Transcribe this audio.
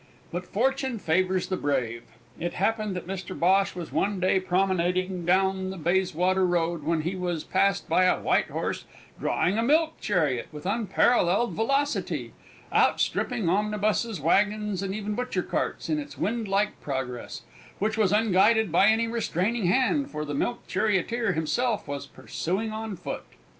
But fortune favours the brave. It happened that Mr Bhosh was one day promenading down the Bayswater Road when he was passed by a white horse drawing a milk chariot with unparalleled velocity, outstripping omnibuses, waggons, and even butcher carts in its wind like progress, which was unguided by any restraining hand, for the milk charioteer himself was pursuing on foot.